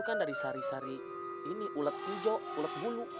sari sari ini ulet hijau ulet bulu